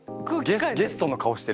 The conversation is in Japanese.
ゲストの顔してる。